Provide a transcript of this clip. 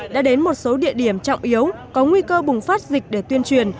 đã đến một số địa điểm trọng yếu có nguy cơ bùng phát dịch để tuyên truyền